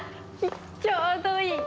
ちょうどいい。